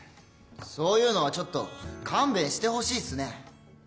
そういうのはちょっとかんべんしてほしいっすね。